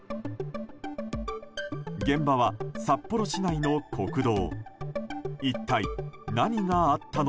現場は札幌市内の国道。